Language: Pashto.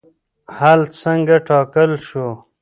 حل څنګه ټاکل شو؟